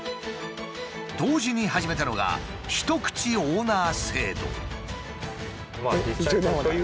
同時に始めたのが一口オーナー制度。